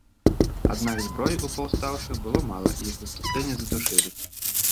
Аднак зброі ў паўстаўшых было мала і іх выступленне задушылі.